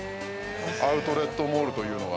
アウトレットモールというのは。